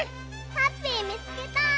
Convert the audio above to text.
ハッピーみつけた！